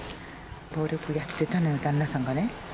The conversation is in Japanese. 暴力やってたのよ、旦那さんがね。